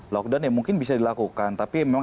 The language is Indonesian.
lockdown ya mungkin bisa dilakukan tapi memang